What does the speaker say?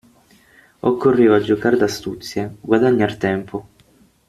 Occorreva giocar d'astuzia, guadagnar tempo.